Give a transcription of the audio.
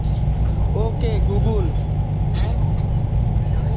Bruno Balz has written German lyrics.